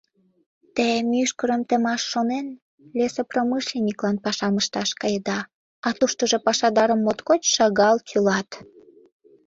Те, мӱшкырым темаш шонен, лесопромышленниклан пашам ышташ каеда, а туштыжо пашадарым моткоч шагал тӱлат...»